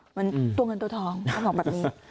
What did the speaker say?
เหมือนตัวเงินตัวทองเขาบอกแบบนี้